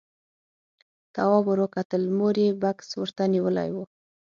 تواب ور وکتل، مور يې بکس ورته نيولی و.